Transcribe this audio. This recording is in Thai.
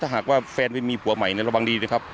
ของในอ้วนแฟนใหม่แม่บอกแม่ไม่มั่นใจค่ะ